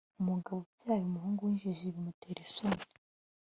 umugabo ubyaye umuhungu w'injiji bimutera isoni